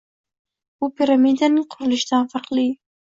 Bu piramidaning qurilishidan farqli.